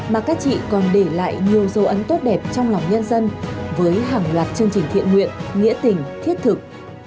mà các chị còn để lại nhiều dấu ấn tốt đẹp trong lòng nhân dân với hàng loạt chương trình thiện nguyện nghĩa tình thiết thực